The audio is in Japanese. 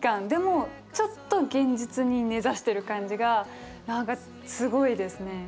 でもちょっと現実に根ざしてる感じが何かすごいですね。